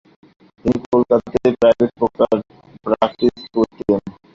তিনি কলিকাতাতেই private practice করিতেন।